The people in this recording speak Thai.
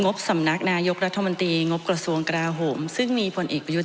บสำนักนายกรัฐมนตรีงบกระทรวงกราโหมซึ่งมีผลเอกประยุทธ์